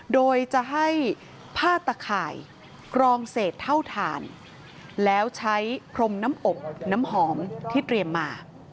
โดยจะให้ผ้าตะข่ายกรองเศษเท่าทานแล้วใช้พรมน้ำอบน้ำหอมที่เตรียมมา